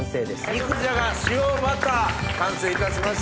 肉じゃが塩バター完成いたしました。